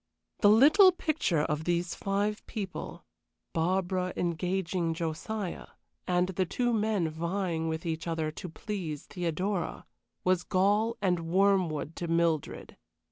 The little picture of these five people Barbara engaging Josiah, and the two men vying with each other to please Theodora was gall and wormwood to Mildred.